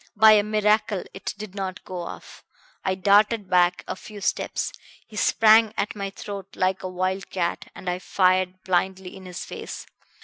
By a miracle it did not go off. I darted back a few steps, he sprang at my throat like a wild cat, and I fired blindly in his face.